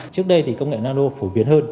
trước đây thì công nghệ nano phổ biến hơn